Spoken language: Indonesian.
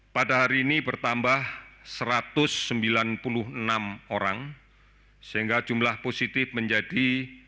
pada hari ini bertambah satu ratus sembilan puluh enam orang sehingga jumlah positif menjadi satu sembilan ratus delapan puluh enam